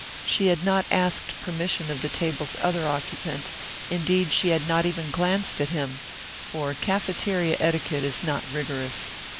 She had not asked permission of the table's other occupant, indeed she had not even glanced at him, for cafeteria etiquette is not rigorous.